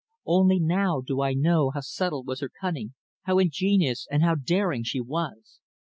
Only now do I know how subtle was her cunning, how ingenious and how daring she was.